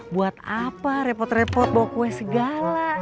buat apa repot repot bawa kue segala